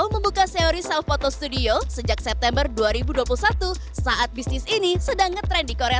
membuka seori self photo studio sejak september dua ribu dua puluh satu saat bisnis ini sedang ngetrend di korea